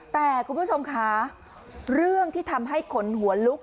แต่คุณผู้ชมค่ะเรื่องที่ทำให้ขนหัวลุก